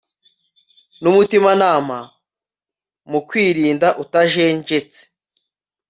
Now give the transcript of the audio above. numutimanama mu kwirinda utajenjetse